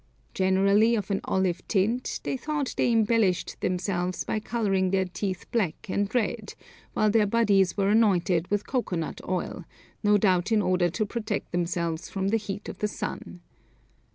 Generally of an olive tint, they thought they embellished themselves by colouring their teeth black and red, while their bodies were anointed with cocoa nut oil, no doubt in order to protect themselves from the heat of the sun.